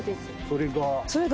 それが。